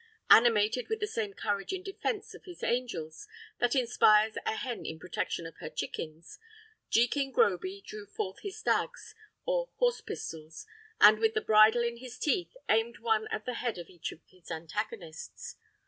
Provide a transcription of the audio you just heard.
Animated with the same courage in defence of his angels that inspires a hen in protection of her chickens, Jekin Groby drew forth his dags, or horse pistols, and, with the bridle in his teeth, aimed one at the head of each of his antagonists.